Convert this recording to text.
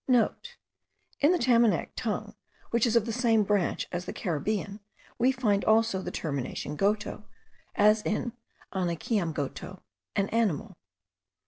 *(* In the Tamanac tongue, which is of the same branch as the Caribbean, we find also the termination goto, as in anekiamgoto an animal.